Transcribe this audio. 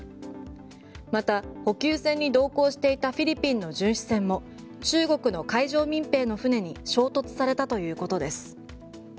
また補給船に同行していたフィリピンの巡視船も中国の海上民兵の船に衝突されたということです。